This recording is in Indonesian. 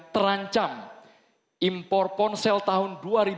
terancam impor ponsel tahun dua ribu dua puluh tiga